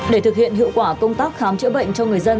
để thực hiện hiệu quả công tác khám chữa bệnh cho người dân